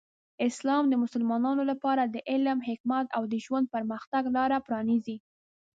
اسلام د مسلمانانو لپاره د علم، حکمت، او د ژوند پرمختګ لاره پرانیزي.